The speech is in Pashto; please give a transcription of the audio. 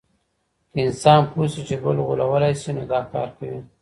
که انسان پوه سي چي بل غولولای سي نو دا کار کوي.